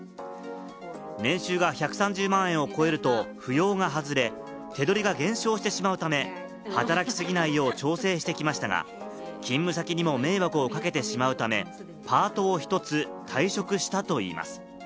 年収が１３０万円を超えると扶養が外れて手取りが減少してしまうため、働きすぎないよう調整してきましたが、勤務先にも迷惑をかけてしまうため、パートを１つ退職したといいます。